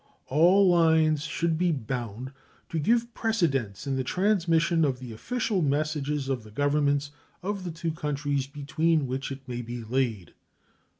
All lines should be bound to give precedence in the transmission of the official messages of the governments of the two countries between which it may be laid.